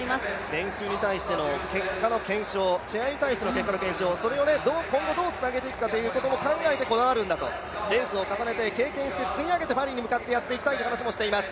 練習に対しての結果の検証、試合に対しての結果の検証、それを今後どうつなげていくんだということも考えてこだわるんだと、レースを重ねて、経験して、積み上げて、パリに向かってやっていきたいと離しています。